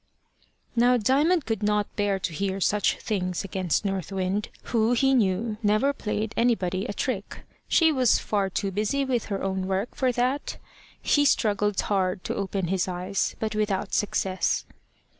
Now Diamond could not bear to hear such things against North Wind, who, he knew, never played anybody a trick. She was far too busy with her own work for that. He struggled hard to open his eyes, but without success.